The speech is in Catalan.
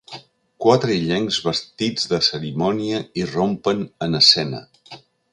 Quatre illencs vestits de cerimònia irrompen en escena.